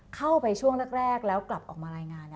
เข้าไปช่วงแรกแล้วกลับออกมารายงาน